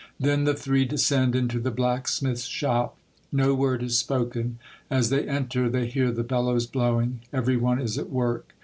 Then the three descend into the blacksmith's shop. No word is spoken. As they enter, they hear the bellows blowing. Every one is at work.